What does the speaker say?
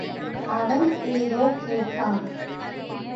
அவன் ஏதோ கேட்டான்.